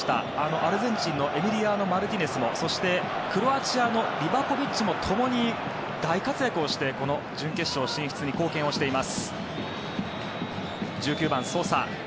アルゼンチンのエミリアーノ・マルティネスもクロアチアのリバコビッチも共に大活躍をして、この準決勝進出に貢献をしています。